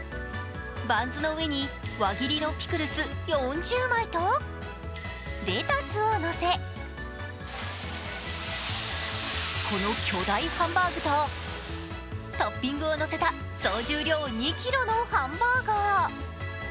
バンズの上に輪切りのピクルス４０枚とレタスを乗せ、この巨大ハンバーグとトッピングをのせた総重量２ｋｇのハンバーガー。